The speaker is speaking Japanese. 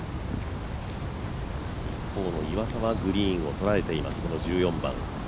一方の岩田はグリーンをとらえています、この１４番。